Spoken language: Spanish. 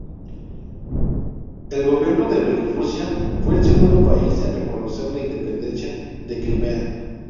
El gobierno de Bielorrusia fue el segundo país en reconocer la independencia de Crimea.